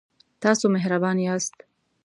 تاسو مهربان یاست